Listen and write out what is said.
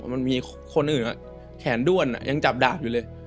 มันมีคนอื่นแขนด้วนยังจับดาบอยู่เลย